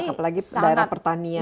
apalagi daerah pertanian